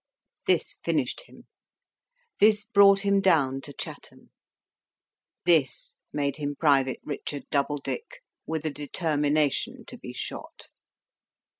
This finished him. This brought him down to Chatham. This made him Private Richard Doubledick, with a determination to be shot.